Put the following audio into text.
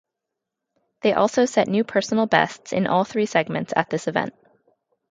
They also set new personal bests in all three segments at this event.